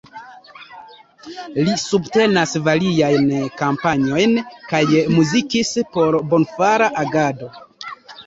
Li subtenas variajn kampanjojn kaj muzikis por bonfara agado.